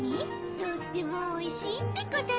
とってもおいしいってことずら。